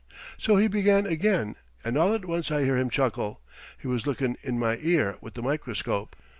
So he begun again, and all at once I hear him chuckle. He was lookin' in my ear with the microscope."